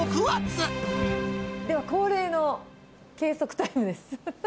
では恒例の計測タイムです。